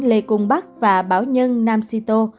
lê cung bắc và báo nhân nam sito